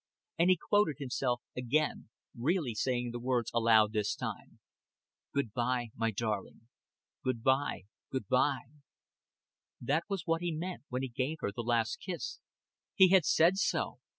And he quoted himself again, really saying the words aloud this time. "Good by my darling good by, good by." That was what he meant when he gave her the last kiss. He had said so.